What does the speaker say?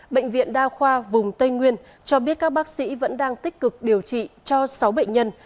bệnh viện đa khoa vùng tây nguyên cho biết các bác sĩ vẫn đang tích cực điều trị cho sáu bệnh nhân